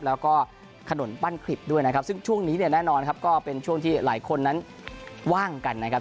แล้วก็ถนนปั้นคริบด้วยนะครับซึ่งช่วงนี้เนี่ยแน่นอนครับก็เป็นช่วงที่หลายคนนั้นว่างกันนะครับ